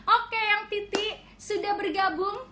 oke eyang titik sudah bergabung